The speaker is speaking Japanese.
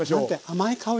甘い香り。